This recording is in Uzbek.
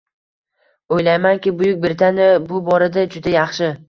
Oʻylaymanki, Buyuk Britaniya bu borada juda yaxshi